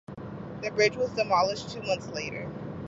The bridge was demolished two months later.